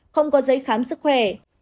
không có giấy khám sức khỏe